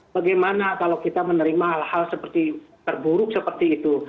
bagaimana kalau kita menerima hal hal seperti terburuk seperti itu